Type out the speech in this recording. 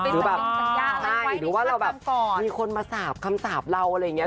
หรือแบบใช่หรือว่าเราแบบมีคนมาสาบคำสาปเราอะไรอย่างนี้